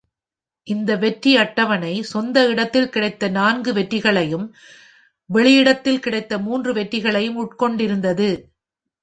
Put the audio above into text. இந்த வெற்றி அட்டவணை சொந்த இடத்தில் கிடைத்த நான்கு வெற்றிகளையும், வெளியிடத்தில் கிடைத்த மூன்று வெற்றிகளையும் உட்கொண்டிருந்தது.